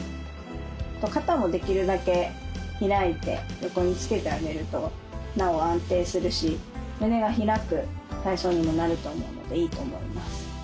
肩もできるだけ開いて横につけてあげるとなお安定するし胸が開く体操にもなると思うのでいいと思います。